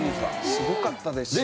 すごかったですよ。